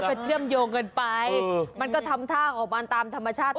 อันนั้นเยื่อมโยงเกินไปมันก็ทำท่าของมันตามธรรมชาติ